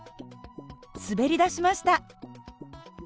滑りだしました。